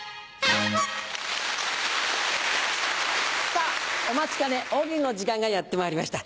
さぁお待ちかね大喜利の時間がやってまいりました。